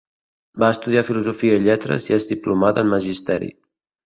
Va estudiar filosofia i lletres i és diplomada en magisteri.